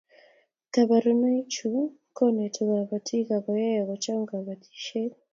Koborunoichu konetu kobotik akoyai kocham kobotisiet